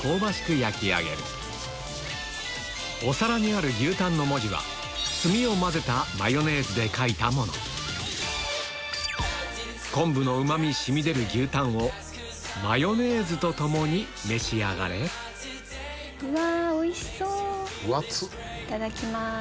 焼き上げるお皿にある「牛タン」の文字は書いたもの昆布のうま味染み出る牛タンをマヨネーズとともに召し上がれうん！